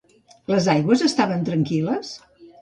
Les aigües estaven tranquil·les?